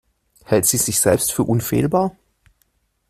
Hält sie sich selbst für unfehlbar?